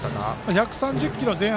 １３０キロ台前半